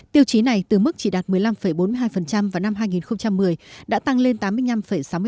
tiêu chí này từ mức chỉ đạt một mươi năm bốn mươi hai vào năm hai nghìn một mươi đã tăng lên tám mươi năm sáu mươi ba vào năm hai nghìn một mươi chín